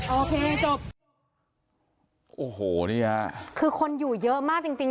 โอเคจบจบจบจบโอเคจบโอ้โหนี่คือคนอยู่เยอะมากจริง